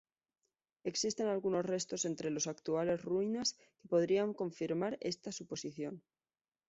Existen algunos restos entre las actuales ruinas que podrían confirmar esta suposición.